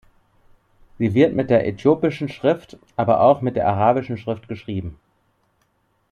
Sie wird mit der äthiopischen Schrift, aber auch mit der arabischen Schrift geschrieben.